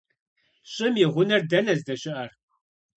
ЩӀым и гъунэр дэнэ здэщыӏэр?